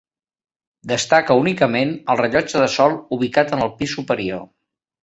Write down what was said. Destaca únicament el rellotge de sol ubicat en el pis superior.